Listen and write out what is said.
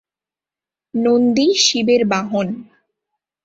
নন্দী শিবের বাহন।